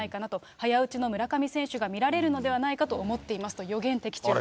早打ちの村上選手が見られるのではないかと思っていますと予言的中です。